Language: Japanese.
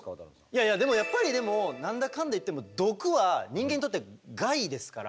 いやいやでもやっぱりでも何だかんだ言っても毒は人間にとって害ですから。